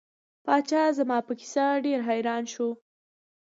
پاچا زما په کیسه ډیر حیران شو.